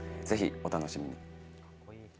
ぜひお楽しみに。